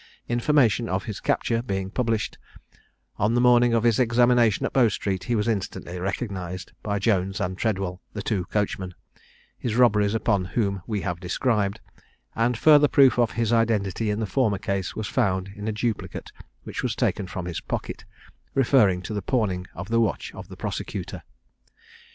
Information of his capture being published, on the morning of his examination at Bow street, he was instantly recognised by Jones and Treadwell, the two coachmen, his robberies upon whom we have described; and further proof of his identity in the former case was found in a duplicate which was taken from his pocket, referring to the pawning of the watch of the prosecutor.